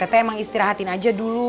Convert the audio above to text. pak rt emang istirahatin aja dulu